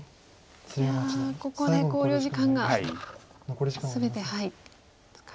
いやここで考慮時間が全て使いきりまして。